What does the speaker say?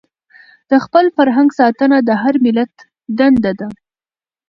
د خپل فرهنګ ساتنه د هر ملت دنده ده.